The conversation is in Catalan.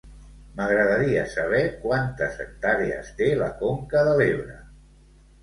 M'agradaria saber quantes hectàrees té la Conca de l'Ebre.